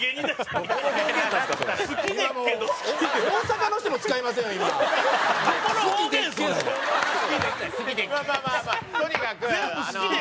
大阪の人も使いませんよ